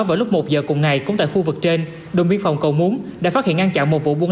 vào lúc một giờ cùng ngày cũng tại khu vực trên đồn biên phòng cầu muốn đã phát hiện ngăn chặn một vụ buôn